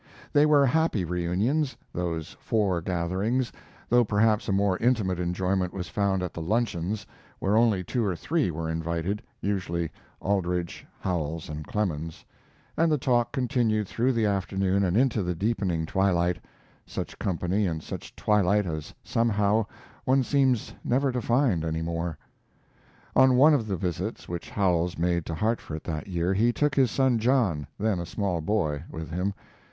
They were happy reunions, those fore gatherings, though perhaps a more intimate enjoyment was found at the luncheons, where only two or three were invited, usually Aldrich, Howells, and Clemens, and the talk continued through the afternoon and into the deepening twilight, such company and such twilight as somehow one seems never to find any more. On one of the visits which Howells made to Hartford that year he took his son John, then a small boy, with him.